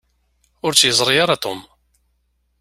Ur tt-yeẓṛi ara Tom.